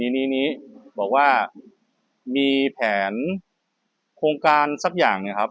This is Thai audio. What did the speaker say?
นี้บอกว่ามีแผนโครงการสักอย่างเนี่ยครับ